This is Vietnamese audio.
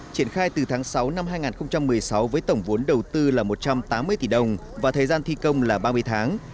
triển khai từ tháng sáu năm hai nghìn một mươi sáu với tổng vốn đầu tư là một trăm tám mươi tỷ đồng và thời gian thi công là ba mươi tháng